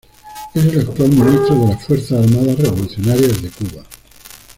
Es el actual Ministro de las Fuerzas Armadas Revolucionarias de Cuba.